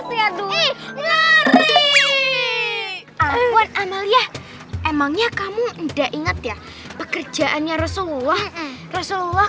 sih aduh ngarek amal ya emangnya kamu udah inget ya pekerjaannya rasulullah rasulullah